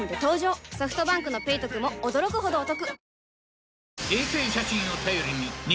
ソフトバンクの「ペイトク」も驚くほどおトク